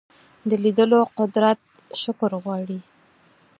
د لیدلو قدرت شکر غواړي